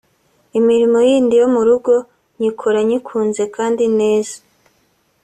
Imirimo yindi yo mu rugo nyikora nyikunze kandi neza